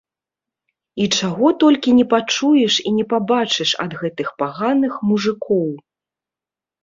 І чаго толькі не пачуеш і не пабачыш ад гэтых паганых мужыкоў!